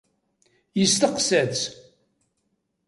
Yesteqsa-tt.